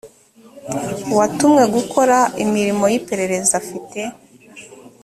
watumwe gukora imirimo y iperereza afite